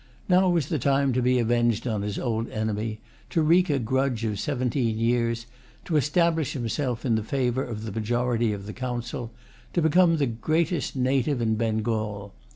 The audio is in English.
Now was the time to be avenged on his old enemy, to wreak a grudge of seventeen years, to establish himself in the favor of the majority of the Council, to become the greatest native in Bengal.